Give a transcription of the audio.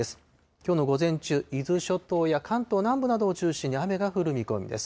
きょうの午前中、伊豆諸島や関東南部などを中心に雨が降る見込みです。